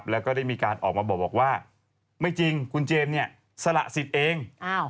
แล้วก็ได้มีการออกมาบอกว่าไม่จริงคุณเจมส์เนี่ยสละสิทธิ์เอง